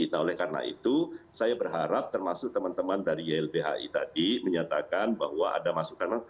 nah oleh karena itu saya berharap termasuk teman teman dari ylbhi tadi menyatakan bahwa ada masukan